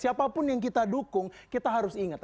siapapun yang kita dukung kita harus ingat